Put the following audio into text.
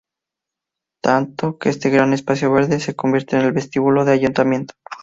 Tanto, que este gran espacio verde se convierte en el vestíbulo del Ayuntamiento.